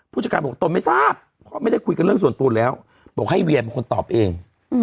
ผู้จัดการบอกตนไม่ทราบเพราะไม่ได้คุยกันเรื่องส่วนตัวแล้วบอกให้เวียเป็นคนตอบเอง